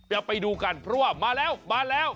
อย่าไปดูกันเพราะว่ามาแล้ว